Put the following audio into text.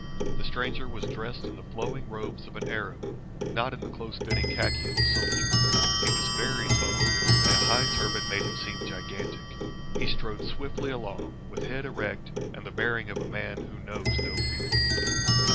The stranger was dressed in the flowing robes of an Arab, and not in the close fitting khaki of a soldier. He was very tall, and a high turban made him seem gigantic. He strode swiftly along, with head erect, and the bearing of a man who knows no fear.